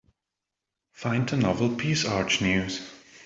Find the novel Peace Arch News